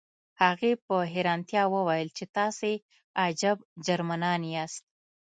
هغې په حیرانتیا وویل چې تاسې عجب جرمنان یاست